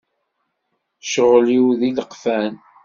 Ccɣel-iw d ileqfen.